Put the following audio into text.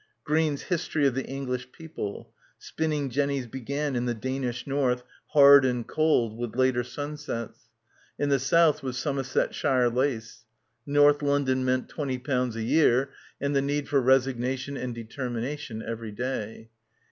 ... Green's "History of the English People" ... spinning jennys began in the Danish north, hard and cold, with later sunsets. In the south was Somersetshire lace. North London meant twenty pounds a year and the need for resignation and de termination every day.